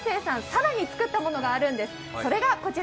更に作ったものがあるんです。